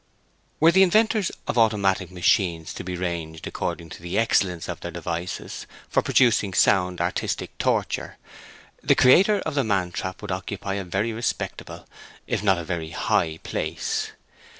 Were the inventors of automatic machines to be ranged according to the excellence of their devices for producing sound artistic torture, the creator of the man trap would occupy a very respectable if not a very high place.